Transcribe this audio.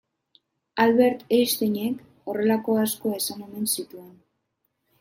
Albert Einsteinek horrelako asko esan omen zituen.